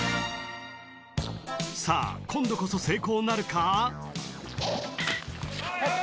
さぁ今度こそ成功なるか？